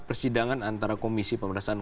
persidangan antara komisi pemberasaan